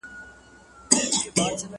o ما ښه مه کړې، ماپه ښو خلگو واده کړې٫